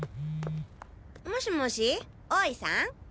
もしもし大井さん？